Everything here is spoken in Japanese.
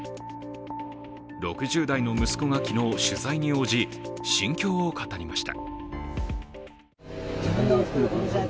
６０代の息子が昨日、取材に応じ、心境を語りました。